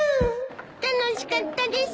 楽しかったです！